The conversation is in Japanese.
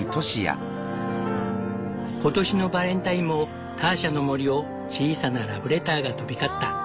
今年のバレンタインもターシャの森を小さなラブレターが飛び交った。